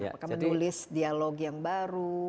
apakah menulis dialog yang baru